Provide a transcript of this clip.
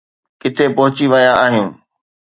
ڪٿي پهچي ويا آهيو؟